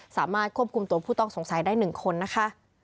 สามารถควบคุมตัวผู้ต้องสงสัยได้๑คนนะคะ